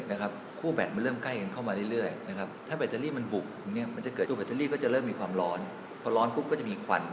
นะครับคู่แบตมันเริ่มใกล้กันเข้ามาเรื่อย